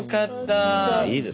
いいですね。